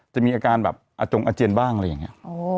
จะมีอาการแบบอาจงอาเจียนบ้างอะไรอย่างนี้